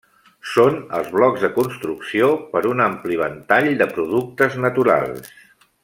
Són els blocs de construcció per un ampli ventall de productes naturals.